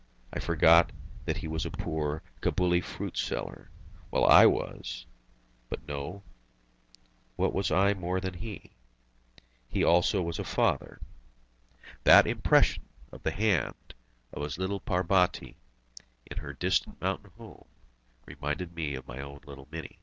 I forgot that he was a poor Cabuli fruit seller, while I was but no, what was I more than he? He also was a father. That impression of the hand of his little Parbati in her distant mountain home reminded me of my own little Mini.